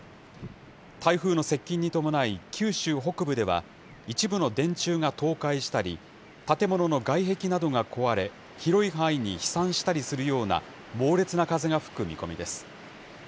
台風の接近に伴い、九州北部では一部の電柱が倒壊したり、建物の外壁などが壊れ、広い範囲に飛散したりするような、猛烈な風が吹く見込みです。